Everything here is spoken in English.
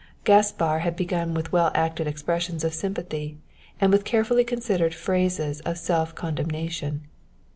Gaspar had begun with well acted expressions of sympathy and with carefully considered phrases of self condemnation.